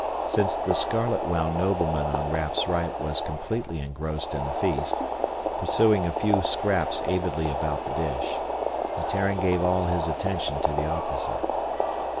Since the scarlet wound nobleman on Raf's right was completely engrossed in the feast, pursuing a few scraps avidly about the dish, the Terran gave all his attention to the officer.